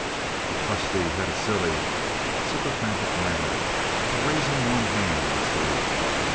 The trusty had a silly, sycophantic manner of raising one hand in salute.